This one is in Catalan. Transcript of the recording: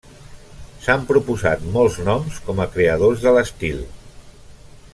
S'han proposat molts noms com a creadors de l'estil.